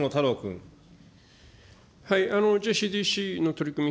ＪＣＤＣの取り組み